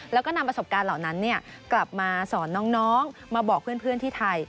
แล้วก็นำประสบการณ์เหล่านั้นกลับมาสอนน้องมาบอกเพื่อนที่ไทย